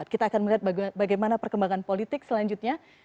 kita akan melihat bagaimana perkembangan politik selanjutnya